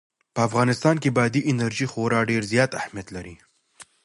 په افغانستان کې بادي انرژي خورا ډېر زیات اهمیت لري.